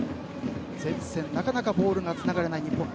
前線、なかなかボールがつながらない日本。